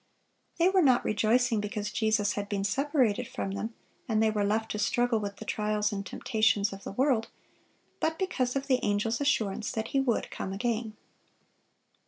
(567) They were not rejoicing because Jesus had been separated from them, and they were left to struggle with the trials and temptations of the world, but because of the angel's assurance that He would come again.